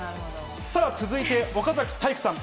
続いては岡崎体育さん。